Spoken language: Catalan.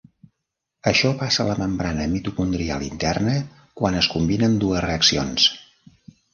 Això passa a la membrana mitocondrial interna quan es combinen dues reaccions.